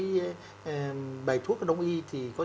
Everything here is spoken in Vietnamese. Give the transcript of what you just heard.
thứ nhất là bổ thận để bổ thận nó quay trở lại